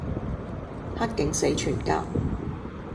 黑警死全家